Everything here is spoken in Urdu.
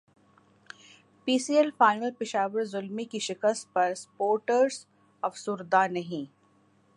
پی S L final Peshawar Zalmi کی شکست پر سپورٹرز افسردہ نہیں